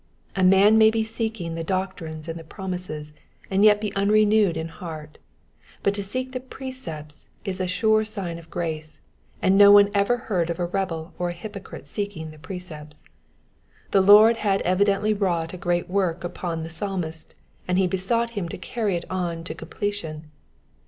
A man may be seeking the doctrines and the promises, and yet be unrenewed in heart ; but to seek the precepts is a sure sign of grace ; no one ever heard of a rebel or a hypocrite seekmg the precepts. The Lord had evidently wrought a g^eat work upon the Psalmist, and he besought him to carry it on to completion.